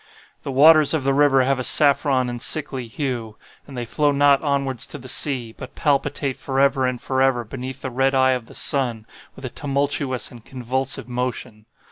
"The waters of the river have a saffron and sickly hue; and they flow not onwards to the sea, but palpitate forever and forever beneath the red eye of the sun with a tumultuous and convulsive motion.